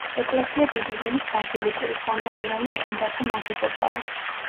ეკლესია დიდი ზომის ბაზილიკური, სამნავიანი, უგუმბათო ნაგებობაა.